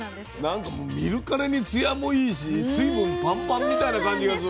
なんか見るからにつやもいいし水分パンパンみたいな感じがする。